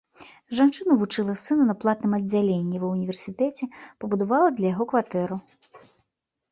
Жанчына вучыла сына на платным аддзяленні ва ўніверсітэце, пабудавала для яго кватэру.